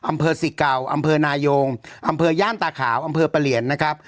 อำเภอสิเก่าอำเภอนายงอำเภอย่านตาขาวอำเภอประเหลียนนะครับ